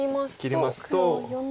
切りますと。